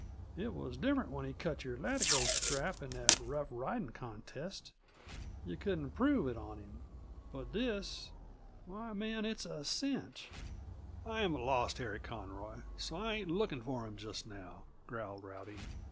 It was different when he cut your latigo strap in that rough riding contest; yuh couldn't prove it on him. But this why, man, it's a cinch!" "I haven't lost Harry Conroy, so I ain't looking for him just now," growled Rowdy.